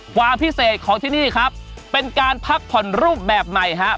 ความพิเศษของที่นี่ครับเป็นการพักผ่อนรูปแบบใหม่ครับ